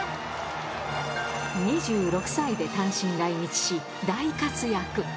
２６歳で単身来日し、大活躍。